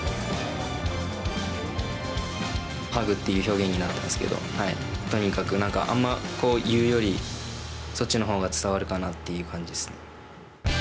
ハグっていう表現になったんですけど、とにかく、あんま言うより、そっちのほうが伝わるかなって感じですね。